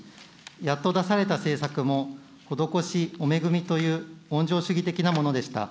やっと出された政策も、施し、お恵みという温情主義的なものでした。